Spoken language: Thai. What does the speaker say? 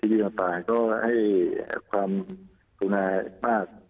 ที่สถานการณ์ต่างก็ให้ความธุรกิจมาก